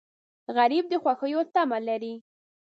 غریب د خوښیو تمه لري